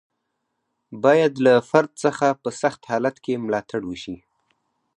باید له فرد څخه په سخت حالت کې ملاتړ وشي.